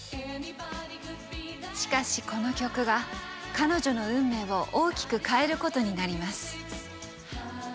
しかしこの曲が彼女の運命を大きく変えることになります。